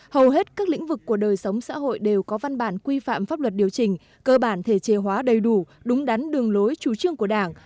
hầu hết các lĩnh vực của đời sống xã hội đều có văn bản quy phạm pháp luật điều chỉnh cơ bản thể chế hóa đầy đủ đúng đắn đường lối chủ trương của đảng